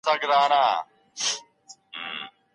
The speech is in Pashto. د کورنۍ غړو ته خپل ذوق څنګه وښيو؟